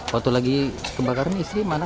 waktu lagi kebakar nih istri mana